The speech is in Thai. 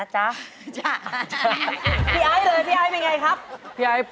จ้ะ